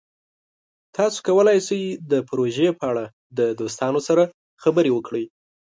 تاسو کولی شئ د پروژې په اړه د دوستانو سره خبرې وکړئ.